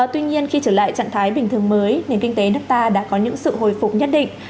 tuy nhiên khi trở lại trạng thái bình thường mới nền kinh tế nước ta đã có những sự hồi phục nhất định